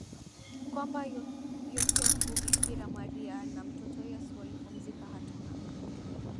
kwamba Yosefu Bikira Maria na mtoto Yesu walipumzika Hatuna